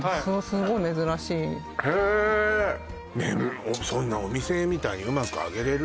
すごい珍しいへでもそんなお店みたいにうまく揚げれる？